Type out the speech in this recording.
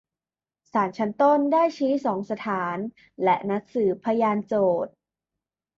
ศาลชั้นต้นได้ชี้สองสถานและนัดสืบพยานโจทก์